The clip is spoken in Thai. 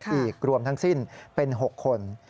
อีกรวมทั้งสิ้นเป็น๖คน